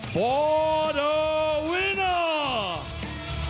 เพื่อรักษา